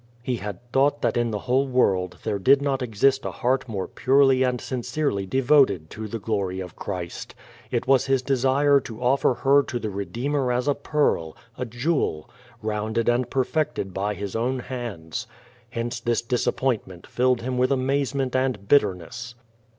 He had thought that in the whole world there did not exist a heart more purely and sincerely devoted to the glory of Christ. It was his desire to offer her to the Redeemer as a jwarl, a jewel, rounded and perfected by his own hands. Hence this disappointment filled him with amazement and bitterness.